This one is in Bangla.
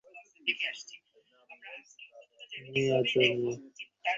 তিনি আচার্য রাধিকাপ্রসাদ গোস্বামীকে সেই সঙ্গীত বিদ্যালয়ের অধ্যক্ষ করেন।